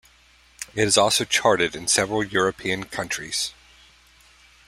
It also charted in several European countries.